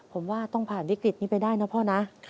ผมว่าต้องผ่านวิกฤตนี้ไปได้นะพ่อนะ